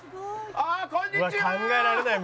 あっこんにちは！